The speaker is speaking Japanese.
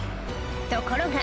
ところが